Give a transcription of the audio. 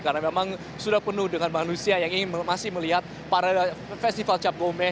karena memang sudah penuh dengan manusia yang masih melihat festival cap gomeh